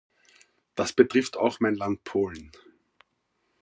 Das betrifft auch mein Land Polen.